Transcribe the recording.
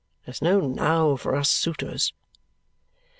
There's no now for us suitors."